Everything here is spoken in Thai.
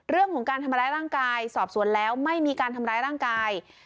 เรื่องของการทำร้ายร่างกายสอบสวนแล้วไม่มีการทำร้ายร่างกาย